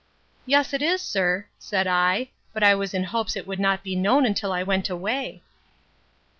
Yes it is, sir, said I; but I was in hopes it would not be known till I went away.